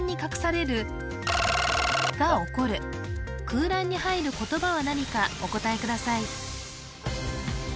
空欄に入る言葉は何かお答えください